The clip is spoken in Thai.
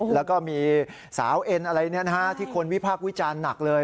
แล้วก็มีสาวเอ็นอะไรที่คนวิพากษ์วิจารณ์หนักเลย